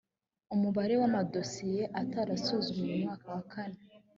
umubare w amadosiye atarasuzumwe mu mwaka wa kane